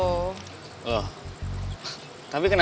tapi kenapa lo gak minta sendiri aja pas tadi dia disini